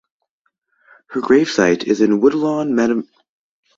Her gravesite is in Woodlawn Memorial Cemetery in Santa Monica.